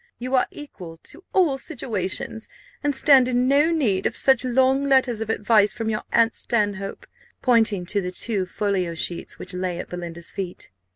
You are equal to all situations, and stand in no need of such long letters of advice from your aunt Stanhope," pointing to the two folio sheets which lay at Belinda's feet.